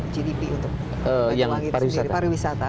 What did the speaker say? gdp untuk banyuwangi itu sendiri pariwisata